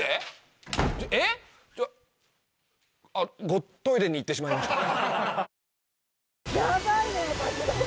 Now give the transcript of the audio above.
ゴットイレに行ってしまいました。